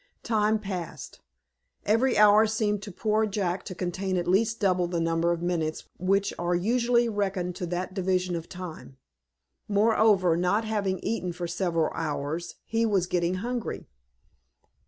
Time passed. Every hour seemed to poor Jack to contain at least double the number of minutes which are usually reckoned to that division of time. Moreover, not having eaten for several hours, he was getting hungry.